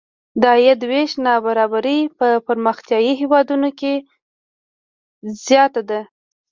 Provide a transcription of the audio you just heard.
د عاید وېش نابرابري په پرمختیايي هېوادونو کې زیاته ده.